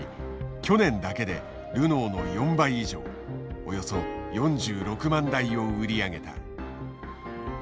去年だけでルノーの４倍以上およそ４６万台を売り上げた。